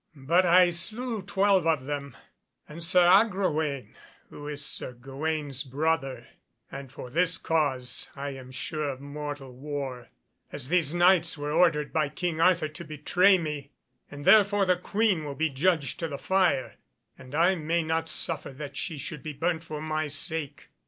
But I slew twelve of them, and Sir Agrawaine, who is Sir Gawaine's brother; and for this cause I am sure of mortal war, as these Knights were ordered by King Arthur to betray me, and therefore the Queen will be judged to the fire, and I may not suffer that she should be burnt for my sake."